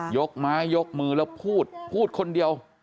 ยกไม้ยกมือแล้วพูดพูดคนเดียว